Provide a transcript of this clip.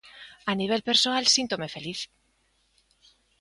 A nivel persoal síntome feliz.